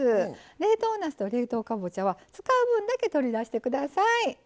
冷凍なすと冷凍かぼちゃは使う分だけ取り出してください。